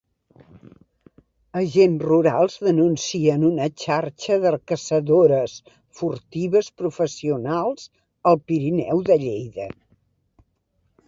Agents Rurals denuncien una xarxa de caçadores furtives professionals al Pirineu de Lleida.